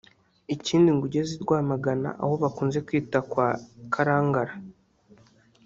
Ikindi ngo ugeze i Rwamagana aho bakunze kwita kwa Karangara